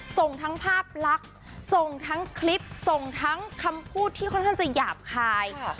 ส่งทั้งภาพลักษณ์ส่งทั้งคลิปส่งทั้งคำพูดที่ค่อนข้างจะหยาบคาย